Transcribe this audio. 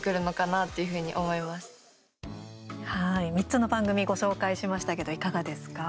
３つの番組ご紹介しましたけどいかがですか？